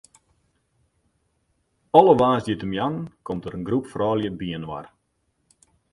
Alle woansdeitemoarnen komt dêr in groep froulju byinoar.